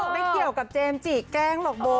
ไม่เกี่ยวกับเจมส์จิแกล้งหรอกโบ